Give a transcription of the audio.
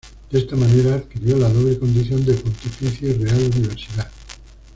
De esta manera adquirió la doble condición de "Pontificia y Real Universidad".